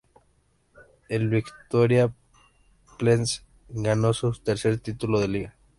El Viktoria Plzeň ganó su tercer título de liga.